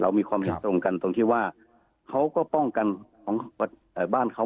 มีความเห็นตรงกันตรงที่ว่าเขาก็ป้องกันของบ้านเขา